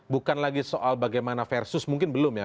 bukan lagi soal bagaimana versus mungkin belum ya